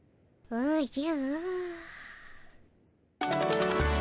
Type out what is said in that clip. おじゃ。